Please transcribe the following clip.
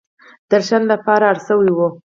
د راشن لپاره اړ شوې وه.